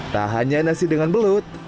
tak hanya nasi dengan belut